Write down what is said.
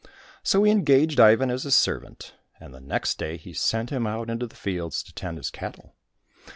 So he engaged Ivan as his servant, and the next day he sent him out into the fields to tend his cattle.